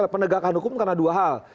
penegakan hukum karena dua hal